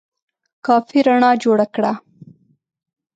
کافي رڼا جوړه کړه !